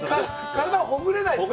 体、ほぐれないですね。